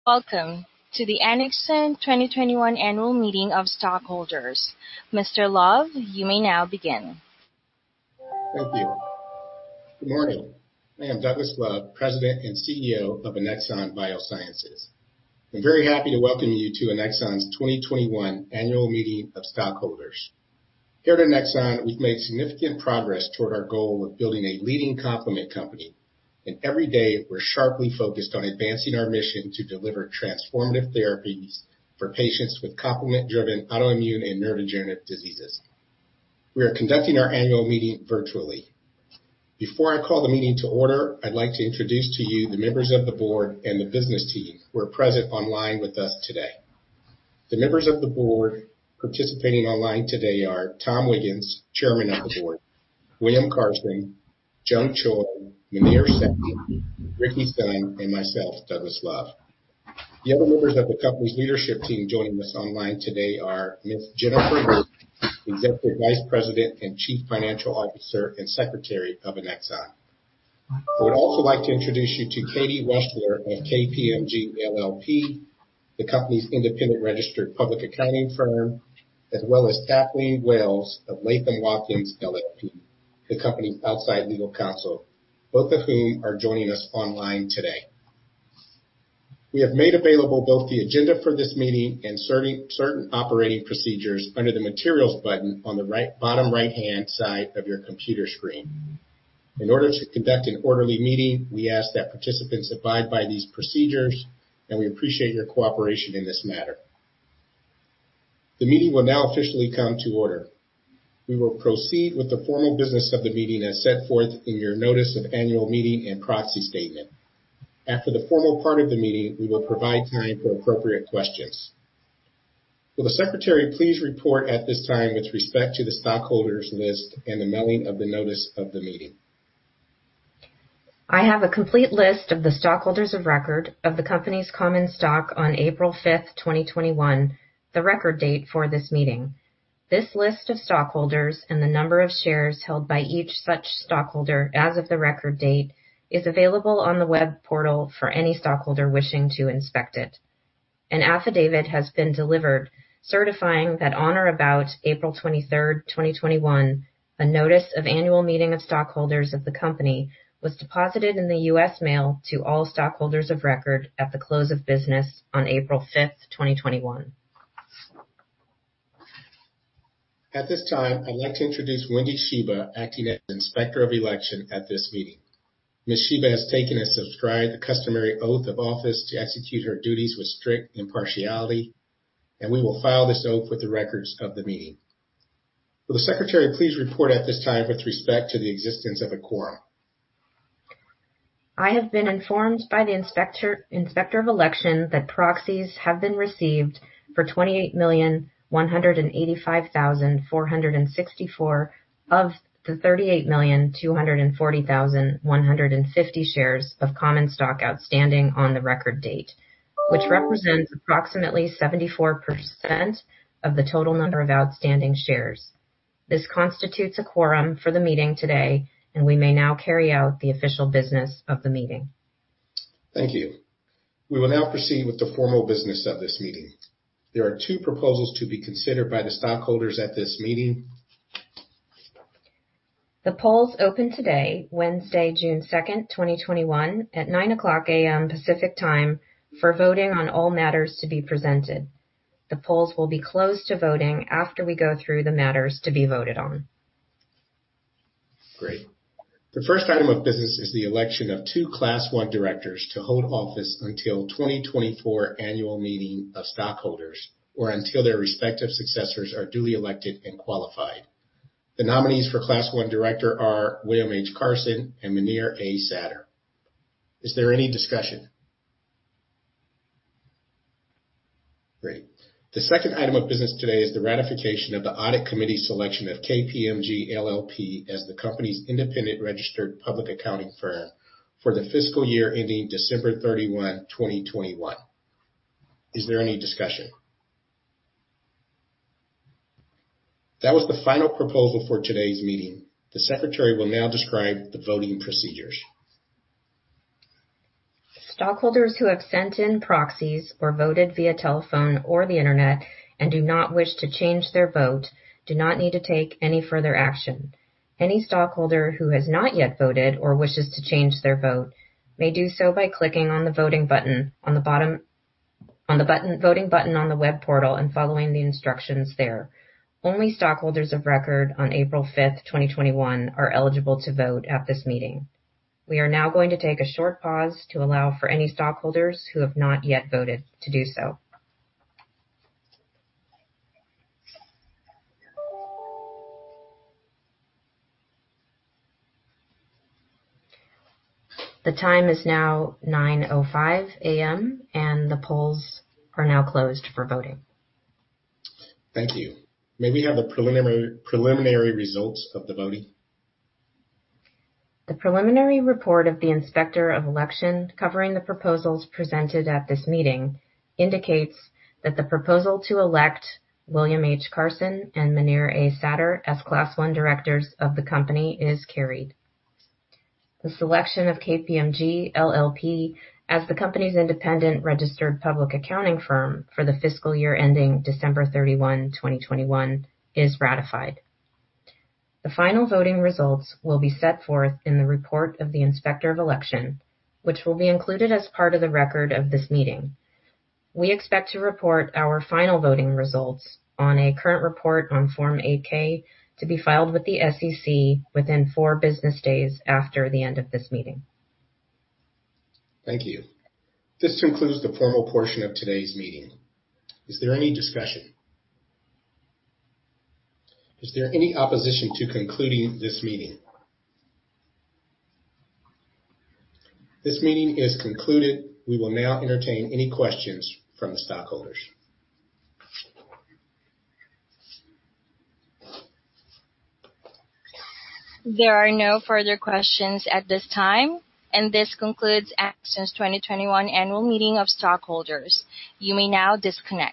Welcome to the Annexon 2021 Annual Meeting of Stockholders. Mr. Love, you may now begin. Thank you. Good morning. I am Douglas Love, President and CEO of Annexon Biosciences. I'm very happy to welcome you to Annexon's 2021 Annual Meeting of Stockholders. Here at Annexon, we've made significant progress toward our goal of building a leading complement company, and every day we're sharply focused on advancing our mission to deliver transformative therapies for patients with complement-driven autoimmune and neurodegenerative diseases. We are conducting our annual meeting virtually. Before I call the meeting to order, I'd like to introduce to you the members of the board and the business team who are present online with us today. The members of the board participating online today are Thomas G. Wiggans, Chairman of the Board, William H. Carson, Jung E. Choi, Muneer Satter, Rajiv Shah, and myself, Douglas Love. The other members of the company's leadership team joining us online today are Ms. Jennifer Burke, Executive Vice President and Chief Financial Officer and Secretary of Annexon. I would also like to introduce you to Katie Wechsler of KPMG LLP, the company's independent registered public accounting firm, as well as Kathleen M. Wells of Latham & Watkins LLP, the company's outside legal counsel, both of whom are joining us online today. We have made available both the agenda for this meeting and certain operating procedures under the Materials button on the bottom right-hand side of your computer screen. In order to conduct an orderly meeting, we ask that participants abide by these procedures, and we appreciate your cooperation in this matter. The meeting will now officially come to order. We will proceed with the formal business of the meeting as set forth in your notice of annual meeting and proxy statement. After the formal part of the meeting, we will provide time for appropriate questions. Will the secretary please report at this time with respect to the stockholders list and the mailing of the notice of the meeting? I have a complete list of the stockholders of record of the company's common stock on April 5th, 2021, the record date for this meeting. This list of stockholders and the number of shares held by each such stockholder as of the record date is available on the web portal for any stockholder wishing to inspect it. An affidavit has been delivered certifying that on or about April 23rd, 2021, a notice of annual meeting of stockholders of the company was deposited in the U.S. mail to all stockholders of record at the close of business on April 5th, 2021. At this time, I'd like to introduce Wendy Shiba, acting as Inspector of Election at this meeting. Ms. Shiba has taken and subscribed the customary oath of office to execute her duties with strict impartiality, and we will file this oath for the records of the meeting. Will the secretary please report at this time with respect to the existence of a quorum? I have been informed by the Inspector of Election that proxies have been received for 28.19 million of the 38.24 million shares of common stock outstanding on the record date, which represents approximately 74% of the total number of outstanding shares. This constitutes a quorum for the meeting today, and we may now carry out the official business of the meeting. Thank you. We will now proceed with the formal business of this meeting. There are two proposals to be considered by the stockholders at this meeting. The polls open today, Wednesday, June 2nd, 2021, at 9:00 A.M. Pacific Time for voting on all matters to be presented. The polls will be closed to voting after we go through the matters to be voted on. Great. The first item of business is the election of two Class I directors to hold office until 2024 Annual Meeting of Stockholders, or until their respective successors are duly elected and qualified. The nominees for Class I director are William H. Carson and Muneer Satter. Is there any discussion? Great. The second item of business today is the ratification of the Audit Committee selection of KPMG LLP as the company's independent registered public accounting firm for the fiscal year ending December 31, 2021. Is there any discussion? That was the final proposal for today's meeting. The secretary will now describe the voting procedures. Stockholders who have sent in proxies or voted via telephone or the internet and do not wish to change their vote do not need to take any further action. Any stockholder who has not yet voted or wishes to change their vote may do so by clicking on the voting button on the web portal and following the instructions there. Only stockholders of record on April 5th, 2021, are eligible to vote at this meeting. We are now going to take a short pause to allow for any stockholders who have not yet voted to do so. The time is now 9:05 A.M., and the polls are now closed for voting. Thank you. May we have the preliminary results of the voting? The preliminary report of the Inspector of Election covering the proposals presented at this meeting indicates that the proposal to elect William H. Carson and Muneer Satter as Class I directors of the company is carried. The selection of KPMG LLP as the company's independent registered public accounting firm for the fiscal year ending December 31, 2021, is ratified. The final voting results will be set forth in the report of the Inspector of Election, which will be included as part of the record of this meeting. We expect to report our final voting results on a current report on Form 8-K to be filed with the SEC within four business days after the end of this meeting. Thank you. This concludes the formal portion of today's meeting. Is there any discussion? Is there any opposition to concluding this meeting? This meeting is concluded. We will now entertain any questions from stockholders. There are no further questions at this time, and this concludes Annexon's 2021 Annual Meeting of Stockholders. You may now disconnect.